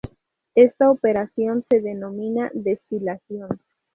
Esta operación se denomina destilación.